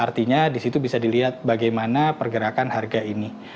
artinya di situ bisa dilihat bagaimana pergerakan harga ini